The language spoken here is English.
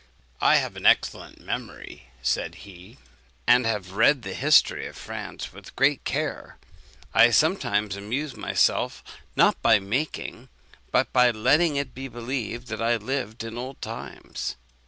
'I have an excellent memory,' said he, 'and have read the history of France with great care. I sometimes amuse myself, not by making, but by letting, it be believed that I lived in old times.'